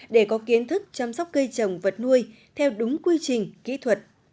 để có kiến thức chăm sóc cây trồng vật nuôi theo đúng quy trình kỹ thuật